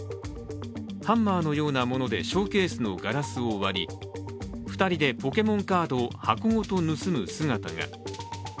ハンマーのようなものでショーケースのガラスを割り２人でポケモンカードを箱ごと盗む姿が。